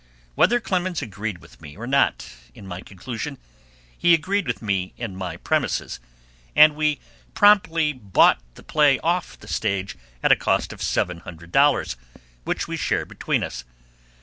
Whether Clemens agreed with me or not in my conclusion, he agreed with me in my premises, and we promptly bought our play off the stage at a cost of seven hundred dollars, which we shared between us.